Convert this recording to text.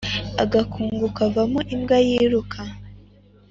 Agakungu kavamo imbwa yiruka.